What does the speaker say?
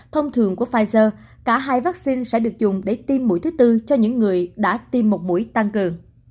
thông thường của pfizer cả hai vaccine sẽ được dùng để tiêm mũi thứ tư cho những người đã tiêm một mũi tăng cường